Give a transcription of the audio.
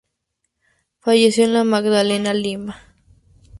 Falleció en La Magdalena, Lima.